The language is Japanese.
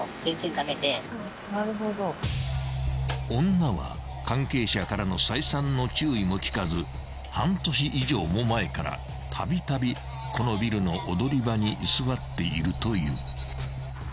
［女は関係者からの再三の注意も聞かず半年以上も前からたびたびこのビルの踊り場に居座っているという］